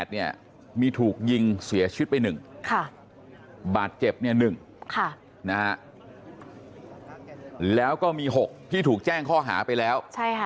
๒๘เนี่ยมีถูกยิงเสียชุดไป๑บาทเจ็บเนี่ย๑แล้วก็มี๖ที่ถูกแจ้งข้อหาไปแล้ว